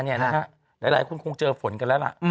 หลายคนคงเจอฝนกันแล้วล่ะ